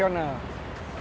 bukan namanya transaksional